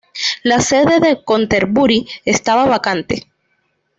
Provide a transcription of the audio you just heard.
La sede de Canterbury estaba vacante.